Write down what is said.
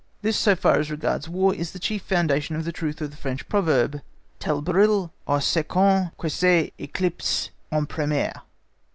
This so far as regards War is the chief foundation of the truth of the French proverb:— "Tel brille au second qui s'éclipse au premier."